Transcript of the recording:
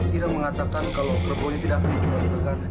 hiram mengatakan kalau kerbobolek tidak bisa dikeluarkan